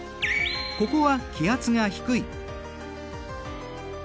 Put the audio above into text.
ここは気圧が低い。